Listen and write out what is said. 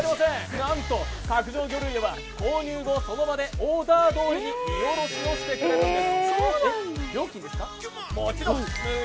なんと角上魚類で購入後、その場でオーダーどおりに身卸しをしてくれるんです。